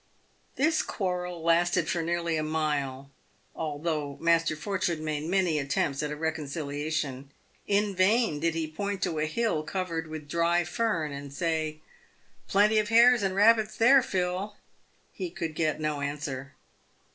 This quarrel lasted for nearly a mile, although Master Fortune made many attempts at a reconciliation. In vain did he point to a hill covered with dry fern, and say, " Plenty of hares and rabbits there, Phil." He could get no answer.